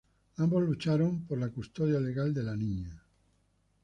Ambos lucharon por la custodia legal de la niña.